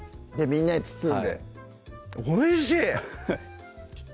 みんなで包んでおいしい！